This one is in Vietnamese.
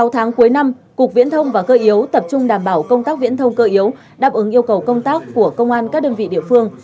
sáu tháng cuối năm cục viễn thông và cơ yếu tập trung đảm bảo công tác viễn thông cơ yếu đáp ứng yêu cầu công tác của công an các đơn vị địa phương